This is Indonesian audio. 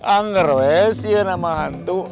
angger wes ya nama hantu